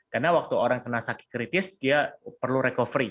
karena waktu orang kena sakit kritis dia perlu recovery